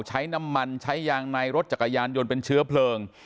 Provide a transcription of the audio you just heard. ใช้น้ำมันใช้ยางในรถจักรยานยนต์เป็นเชื้อเพลิง